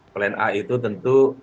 plan a itu tentu